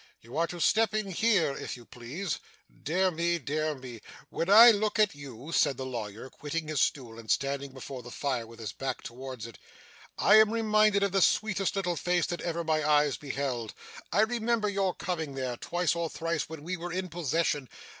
'You are to step in here, if you please. Dear me, dear me! When I look at you,' said the lawyer, quitting his stool, and standing before the fire with his back towards it, 'I am reminded of the sweetest little face that ever my eyes beheld. I remember your coming there, twice or thrice, when we were in possession.